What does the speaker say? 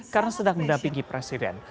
karena sedang mendapingi presiden